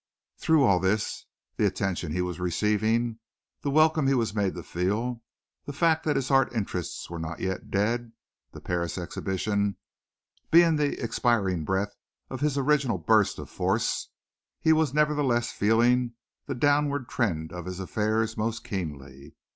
Through all this the attention he was receiving, the welcome he was made to feel, the fact that his art interests were not yet dead (the Paris exhibition being the expiring breath of his original burst of force), he was nevertheless feeling the downward trend of his affairs most keenly.